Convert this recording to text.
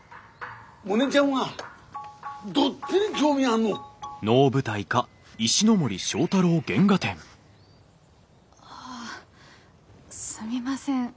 モネちゃんはどっちに興味あんの？ああすみません